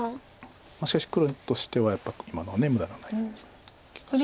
しかし黒としてはやっぱ今のは無駄のない利かし。